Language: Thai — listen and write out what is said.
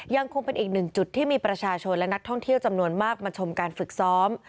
ยังคงเป็นอีกหนึ่งจุดที่มีประชาชนและนักท่องเที่ยวจำนวนมากมาชมการฝึกซ้อม